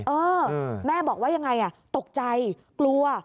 เออแม่บอกว่ายังไงตกใจกลัว